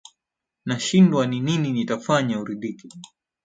Nashindwa ni nini nitafanya uridhike